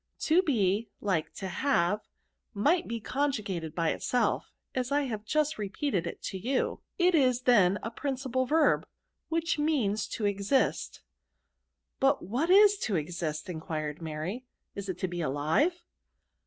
" To be, like to have, might be conjugated by itself, as I have just repeated it to you. It is then a principal verb, and means to exist." But what is to exist J" enquired Mary; " is it to be aHve